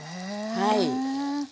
はい。